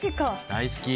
大好き？